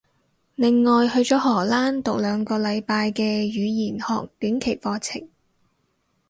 另外去咗荷蘭讀兩個禮拜嘅語言學短期課程